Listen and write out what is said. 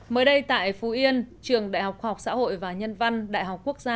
mới đây tại phú yên trường đại học khoa học xã hội và nhân văn đại học quốc gia